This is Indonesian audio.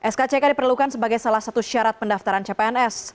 skck diperlukan sebagai salah satu syarat pendaftaran cpns